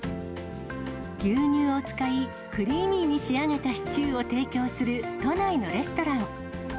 牛乳を使い、クリーミーに仕上げたシチューを提供する都内のレストラン。